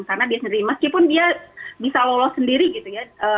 karena dia sendiri meskipun dia bisa lolos sendiri gitu ya